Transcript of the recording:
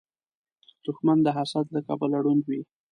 دښمن د حسد له کبله ړوند وي